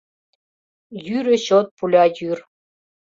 Йӱрӧ чот пуля йӱр.